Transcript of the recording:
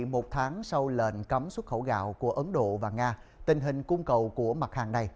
một tháng sau lệnh cấm xuất khẩu gạo của ấn độ và nga tình hình cung cầu của mặt hàng này